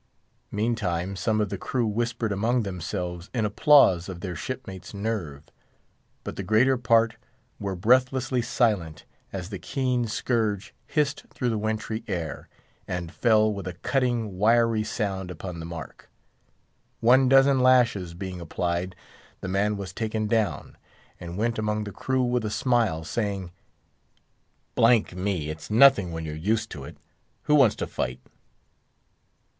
Meantime, some of the crew whispered among themselves in applause of their ship mate's nerve; but the greater part were breathlessly silent as the keen scourge hissed through the wintry air, and fell with a cutting, wiry sound upon the mark. One dozen lashes being applied, the man was taken down, and went among the crew with a smile, saying, "D——n me! it's nothing when you're used to it! Who wants to fight?"